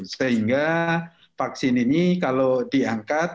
sehingga vaksin ini kalau diangkat